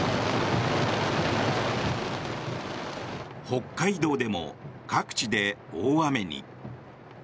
北海道でも各地で大雨に。